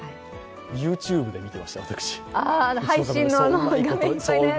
ＹｏｕＴｕｂｅで見てましたよ、私。